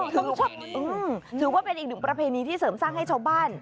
ถือว่าเป็นอีกหนึ่งประเพณีที่เสริมสร้างให้ชาวบ้าน